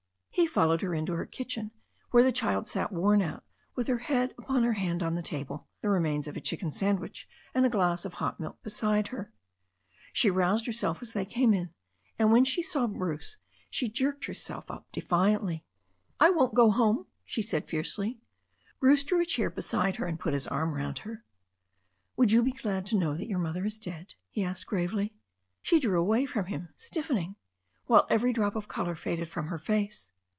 He followed her into her kitchen, where the child sat worn out with her head upon her arm on the table, the remains of a chicken sandwich and a glass of hot milk be side her. She roused herself as they came in, and when she saw Bruce she jerked herself up defiantly. 124 THE STORY OF A NEW ZEALAND RIVER "I won't go home," she said fiercely. Bruce drew a chair beside her, and put his arm round her. ''Would you be glad to know that your mother is dead?" he asked gravely. She drew away from him, stiffening, while every drop of colour faded from her face.